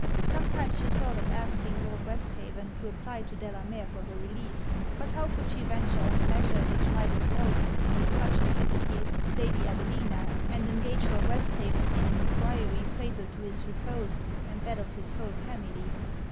Sometimes she thought of asking Lord Westhaven to apply to Delamere for her release. But how could she venture on a measure which might involve, in such difficulties, Lady Adelina, and engage Lord Westhaven in an enquiry fatal to his repose and that of his whole family?